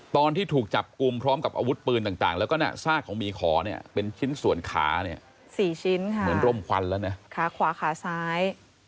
ตอนที่ถูกจับกลุ่มพร้อมกับอาวุธปืนต่างแล้วก็ซากของหมีขอเนี่ยเป็นชิ้นส่วนขาเนี่ย๔ชิ้นค่ะเหมือนร่มควันแล้วนะขาขวาขาซ้าย